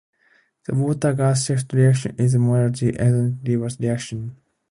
The water gas shift reaction is a moderately exothermic reversible reaction.